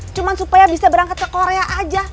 cuma supaya bisa berangkat ke korea aja